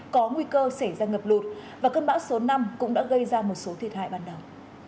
có nguy cơ xảy ra ngập lụt và cơn bão số năm cũng đã gây ra một số thiệt hại ban đầu